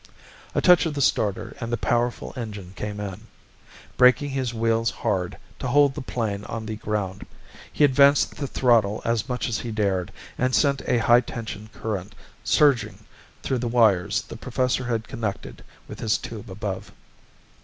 A touch of the starter and the powerful engine came in. Braking his wheels hard, to hold the plane on the ground, he advanced the throttle as much as he dared, and sent a high tension current surging through the wires the professor had connected with his tube above.